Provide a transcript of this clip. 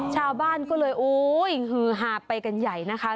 ชาวบ้านก็เลยโอ้ยฮือหาไปกันใหญ่นะคะ